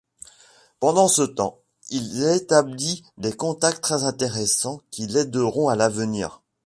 Pendant ce temps, il établit des contacts très intéressants qui l'aideront à l'avenir.